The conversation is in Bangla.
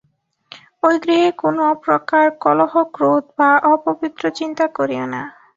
ঐ গৃহে কোন প্রকার কলহ ক্রোধ বা অপবিত্র চিন্তা করিও না।